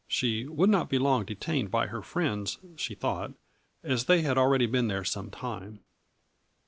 She " would not be long detained by her friends," she thought, " as they had already been there some time."